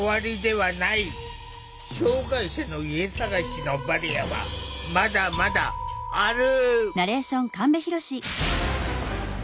障害者の家探しのバリアはまだまだある！